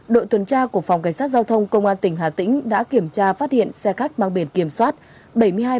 đội tuần tra của phòng cảnh sát giao thông công an tỉnh hà tĩnh đã kiểm tra phát hiện xe khách mang biển kiểm soát bảy mươi hai b hai mươi sáu